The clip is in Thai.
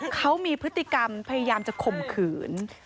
เขามีพฤติกรรมพยายามจะข่มขืน